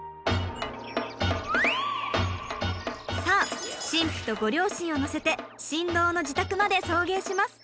さあ新婦とご両親を乗せて新郎の自宅まで送迎します。